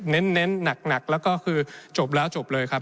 เน้นหนักแล้วก็คือจบแล้วจบเลยครับ